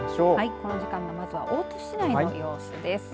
この時間のまず大津市内の様子です。